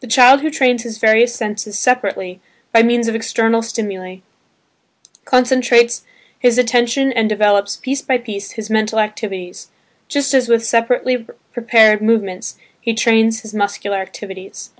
The child who trains his various senses separately, by means of external stimuli, concentrates his attention and develops, piece by piece, his mental activities, just as with separately prepared movements he trains his muscular activities.